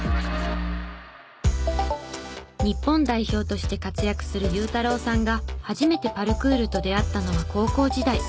日本代表として活躍するＹＵＵＴＡＲＯＵさんが初めてパルクールと出会ったのは高校時代。